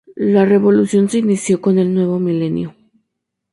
La revolución se inició con el nuevo milenio.